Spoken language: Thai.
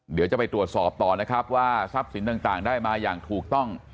เดี๋ยวจะไปตรวจสอบต่อนะครับว่าทรัพย์สินต่างได้มาอย่างถูกต้อง